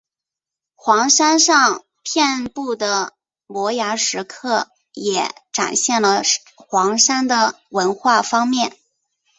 黄山上遍布的摩崖石刻也展现了黄山的文化方面。